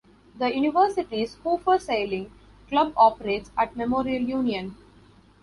The university's Hoofer Sailing Club operates at Memorial Union.